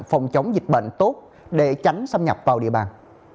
phòng chống dịch bệnh tốt để tránh xâm nhập vào địa bàn